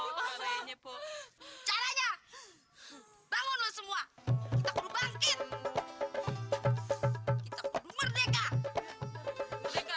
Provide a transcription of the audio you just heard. pembantu harus diangkat martabaknya